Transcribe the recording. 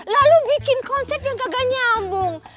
lalu bikin konsep yang gagal nyambung